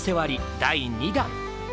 第２弾。